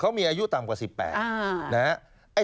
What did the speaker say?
เขามีอายุต่ำกว่า๑๘นะครับ